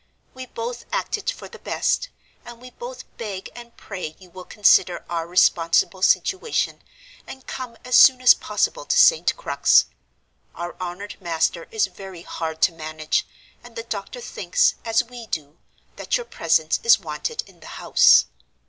We both acted for the best, and we both beg and pray you will consider our responsible situation, and come as soon as possible to St. Crux. Our honored master is very hard to manage; and the doctor thinks, as we do, that your presence is wanted in the house.